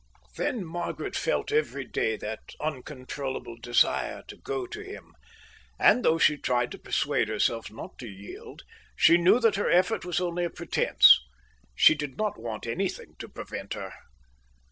Then Margaret felt every day that uncontrollable desire to go to him; and, though she tried to persuade herself not to yield, she knew that her effort was only a pretence: she did not want anything to prevent her.